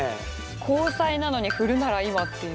「交際」なのに「振るなら今」っていう。